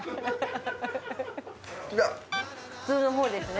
普通のほうですね。